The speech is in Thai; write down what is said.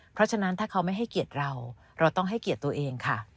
เพราะฉะนั้นถ้าเขาไม่ให้เกียรติเราเราต้องให้เกียรติตัวเองค่ะ